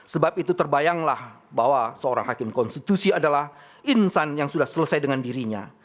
sebab itu terbayanglah bahwa seorang hakim konstitusi adalah insan yang sudah selesai dengan dirinya